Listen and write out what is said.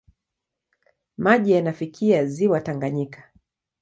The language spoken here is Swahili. Maji yanafikia ziwa Tanganyika.